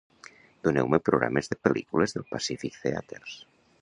Doneu-me programes de pel·lícules del Pacific Theaters